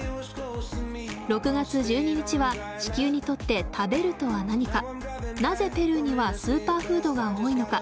６月１２日は地球にとって食べるとは何かなぜペルーにはスーパーフードが多いのか